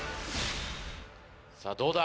さぁどうだ？